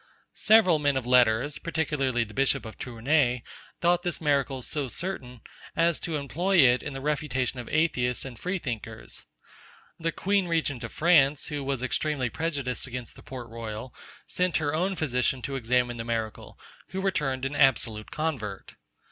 Several men of letters, particularly the bishop of Tournay, thought this miracle so certain, as to employ it in the refutation of atheists and free thinkers. The queen regent of France, who was extremely prejudiced against the Port Royal, sent her own physician to examine the miracle, who returned an absolute convert.